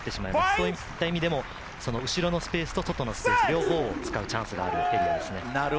そういった意味で後ろのスペースと両方を使うチャンスがあるんですね。